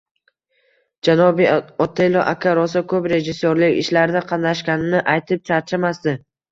Janobi Otello aka rosa ko`p rejissyorlik ishlarida qatnashganini aytib charchamasdi